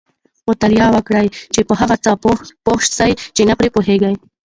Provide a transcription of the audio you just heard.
مطالعه وکړئ! چي په هغه څه پوه سئ، چي نه پرې پوهېږئ.